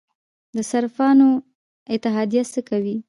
د صرافانو اتحادیه څه کوي؟